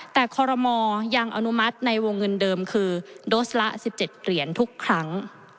แต่คอรมอยังอนุมัติในวงเงินเดิมคือโดสละ๑๗เหรียญทุกครั้ง